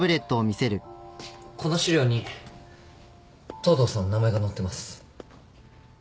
この資料に東堂さんの名前が載ってます。